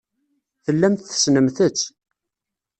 Tellamt tessnemt-tt.